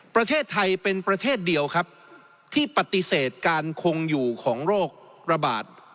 ประเทศไทยเป็นประเทศเดียวครับที่ปฏิเสธการคงอยู่ของโรคระบาด